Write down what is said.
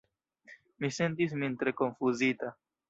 Mi sentis min tre konfuzita.